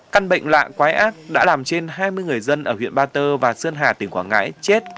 căn bệnh lạ quái ác đã làm trên hai mươi người dân ở huyện ba tơ và sơn hà tỉnh quảng ngãi chết